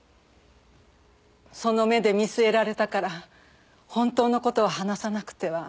その目で見据えられたから本当の事を話さなくては。